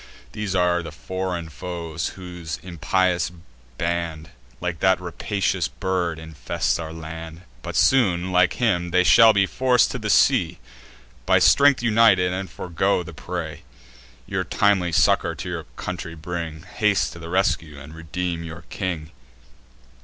These are the foreign foes, whose impious band, Like that rapacious bird, infest our land: But soon, like him, they shall be forc'd to sea By strength united, and forego the prey. Your timely succour to your country bring, Haste to the rescue, and redeem your king."